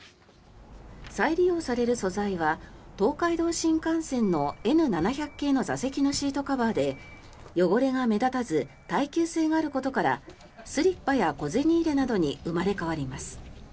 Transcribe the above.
再利用される素材は東海道新幹線のＮ７００系の座席のシートカバーで汚れが目立たず耐久性があることからスリッパや小銭入れなどに生まれ変わります。